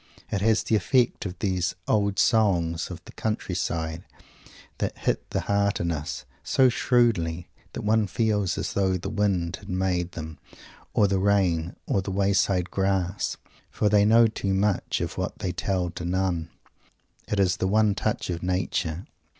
It has the effect of those old "songs" of the countryside that hit the heart in us so shrewdly that one feels as though the wind had made them or the rain or the wayside grass; for they know too much of what we tell to none! It is the "one touch of Nature."